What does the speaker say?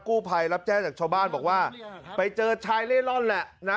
ผู้ภัยรับแจ้งจากชาวบ้านบอกว่าไปเจอชายเล่ร่อนแหละนะ